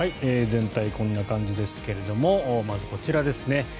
全体、こんな感じですがまずこちらですね。